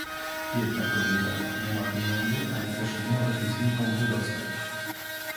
"Biedna kobieta nie ma pieniędzy, ani też nie może ich znikąd wydostać."